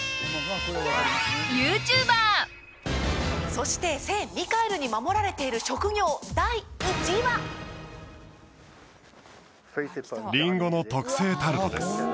そして聖ミカエルに守られている職業・りんごの特製タルトです